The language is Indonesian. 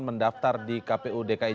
mendaftar di kpu dki